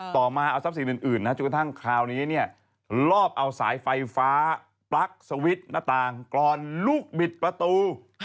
ต่อมาเอาทรัพย์สินอื่นจนกระทั่งคราวนี้เนี่ยลอบเอาสายไฟฟ้าปลั๊กสวิตช์หน้าต่างก่อนลูกบิดประตู